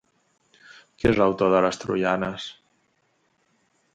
Qui és l'autor de les "troianes"?